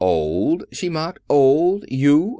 "Old!" she mocked, "Old! You! I!